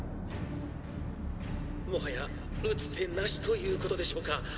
「もはや打つ手無しということでしょうか？